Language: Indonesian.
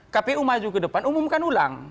kpu maju ke depan umumkan ulang